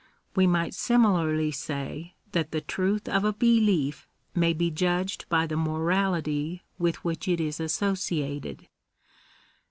We might similarly say that the truth of a belief may be judged by the morality with which it is associated.